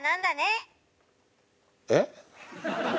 えっ？